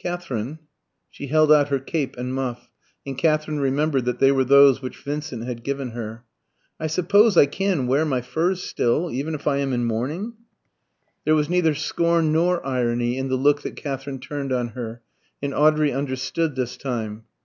"Katherine," she held out her cape and muff, and Katherine remembered that they were those which Vincent had given her, "I suppose I can wear my furs still, even if I am in mourning?" There was neither scorn nor irony in the look that Katherine turned on her, and Audrey understood this time.